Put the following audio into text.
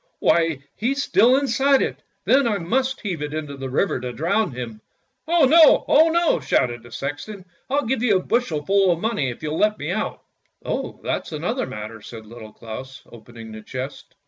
" Why, he's still inside it, then I must have it into the river to drown him." "Oh no, oh no!" shouted the sexton. "I'll give you a bushel full of money if you'll let me out! "" Oh, that's another matter," said Little Claus, opening the chest.